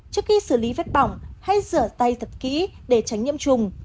trước khi xử lý vết bỏng hay rửa tay thật kỹ để tránh nhiễm trùng